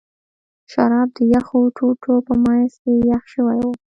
شراب د یخو ټوټو په منځ کې یخ شوي ول.